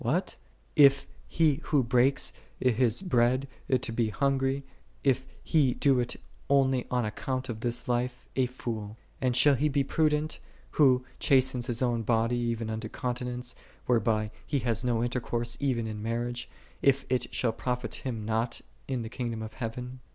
s What ? is he who breaks his bread to the hungry, if he do it only on account of this life, a fool; and shall he be prudent, who chastens his own body even unto continence, whereby he hath no inter course even in marriage, if it shall profit him nought in the kingdom of heaven